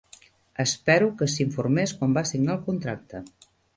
Espero que s'informés quan va signar el contracte.